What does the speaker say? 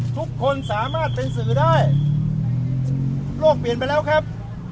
ทุกคนสามารถเป็นสื่อได้โลกเปลี่ยนไปแล้วครับ